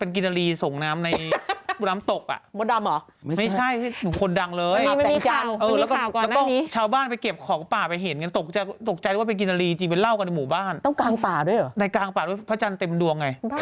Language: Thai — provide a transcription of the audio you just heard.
ในกลางป่าด้วยหรอในกลางป่าบ้านด้วยพระอาจารย์เต็มดวงไง